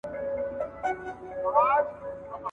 • عمر د سپي راباندي تېر سو، حساب د سړي راسره کوي.